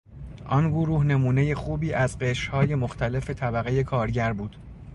آن گروه نمونهی خوبی از قشرهای مختلف طبقهی کارگر بود.